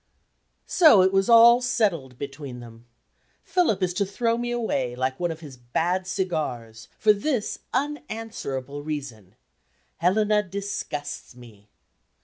So it was all settled between them. Philip is to throw me away, like one of his bad cigars, for this unanswerable reason: "Helena disgusts me."